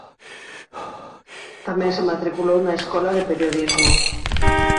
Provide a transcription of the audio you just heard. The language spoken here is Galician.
Tamén se matriculou na Escola de Periodismo.